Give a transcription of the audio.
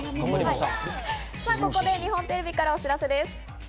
日本テレビからお知らせです。